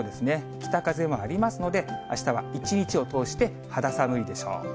北風もありますので、あしたは一日を通して肌寒いでしょう。